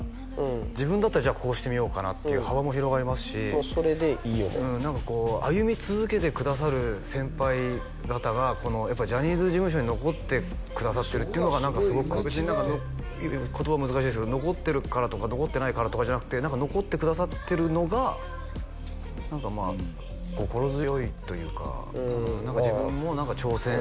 「自分だったらじゃあこうしてみようかな」っていう幅も広がりますしそれでいいよね歩み続けてくださる先輩方がこのジャニーズ事務所に残ってくださってるっていうのが何かすごく言葉難しいですけど残ってるからとか残ってないからとかじゃなくて残ってくださってるのが何かまあ心強いというか何か自分も挑戦